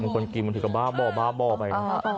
คนกินมันถือก็บ่อบ่อบ่อบ่อไป